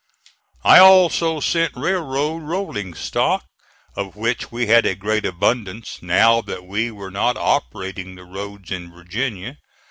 I also sent railroad rolling stock, of which we had a great abundance, now that we were not operating the roads in Virginia.